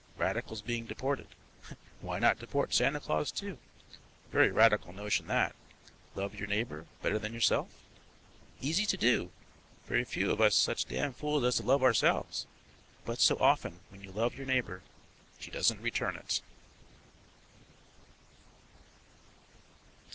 Radicals being deported. Why not deport Santa Claus, too? Very radical notion that, love your neighbour better than yourself. Easy to do; very few of us such dam fools as to love ourselves, but so often when you love your neighbour she doesn't return it.